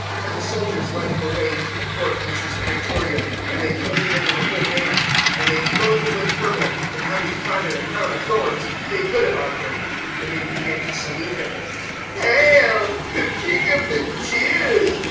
(16)And the soldiers led him away into the court, which is Praetorium; and they call together the whole band. (17)And they clothe him with purple, and having platted a crown of thorns, they put it on him. (18)And they began to salute him: Hail, King of the Jews!